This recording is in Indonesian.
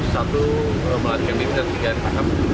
satu melancongan mimpi dan tiga yang paham